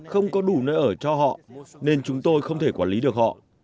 không có đủ nơi ở cho họ nên chúng tôi không thể quản lý được họ